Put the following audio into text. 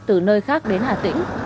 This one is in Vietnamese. từ nơi khác đến hà tĩnh